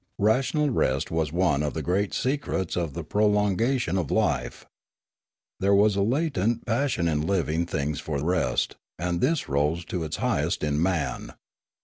Rational rest was one of the great secrets of the pro longation of life. There was a latent passion in living things for rest: and this rose to its highest in man.